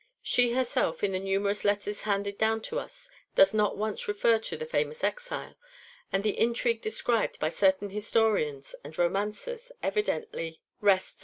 She herself, in the numerous letters handed down to us, does not once refer to the famous exile, and the intrigue described by certain historians and romancers evidently rests upon no solid foundation.